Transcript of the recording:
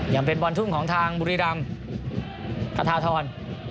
ยังเป็นบอลทุ่งของทางบุรีรำคาธาธร